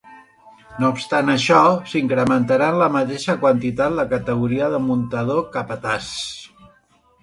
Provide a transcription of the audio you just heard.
No obstant això, s'incrementarà en la mateixa quantitat la categoria de muntador-capataç.